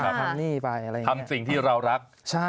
ทำสิ่งที่เรารัก